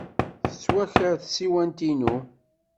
Tettwaker tsiwant-inu.